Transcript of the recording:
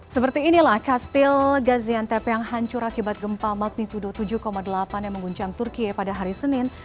seperti inilah kastil gaziantep yang hancur akibat gempa magnitudo tujuh delapan yang menguncang turkiye pada hari senin